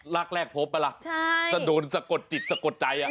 รักแรกพบเหรอจะโดนสะกดจิตสะกดใจใช่ไหม